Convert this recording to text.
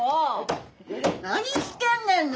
何してんねんよ